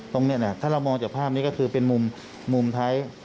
ตรงนี้นะถ้าเรามองจากภาพนี้ก็คือเป็นมุมท้าย